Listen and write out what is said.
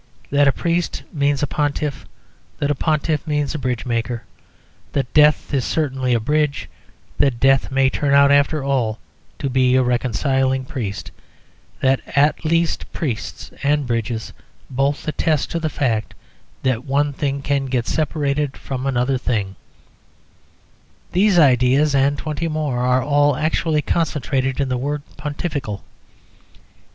That a priest means a pontiff, that a pontiff means a bridge maker, that death is certainly a bridge, that death may turn out after all to be a reconciling priest, that at least priests and bridges both attest to the fact that one thing can get separated from another thing these ideas, and twenty more, are all actually concentrated in the word "pontifical."